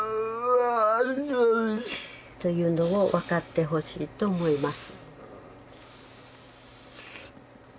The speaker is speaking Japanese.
「というのを分かってほしいと思います」